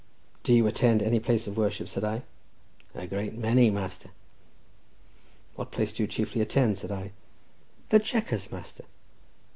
"Do you attend any place of worship?" said I. "A great many, master!" "What place do you chiefly attend?" said I. "The Chequers, master!"